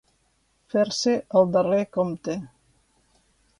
Fer-se el darrer compte.